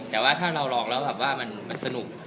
แต่ว่าแเราลองแล้วว่ามันสนุก